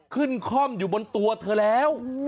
คล่อมอยู่บนตัวเธอแล้ว